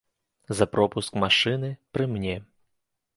За пропуск машыны, пры мне!